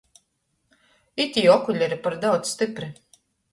Itī okuleri par daudz stypri.